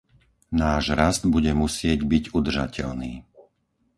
Náš rast bude musieť byť udržateľný.